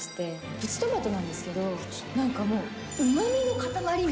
プチトマトなんですけど、なんかもう、甘いの？